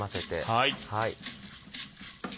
はい。